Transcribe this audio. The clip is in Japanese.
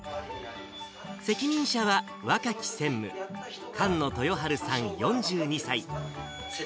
責任者は若き専務、菅野豊晴さん４２歳。